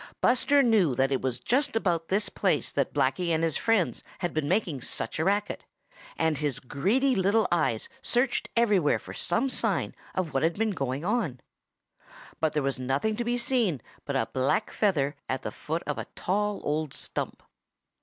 Buster knew that it was just about this place that Blacky and his friends had been making such a racket, and his greedy little eyes searched everywhere for some sign of what had been going on. But there was nothing to be seen but a black feather at the foot of a tall old stump.